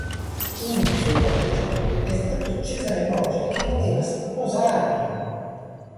Uno dei suoi corteggiatori è stato Cesare Borgia, che voleva sposarla.